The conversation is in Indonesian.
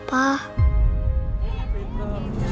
wah seru banget ya